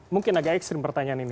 mungkin agak ekstrim pertanyaan ini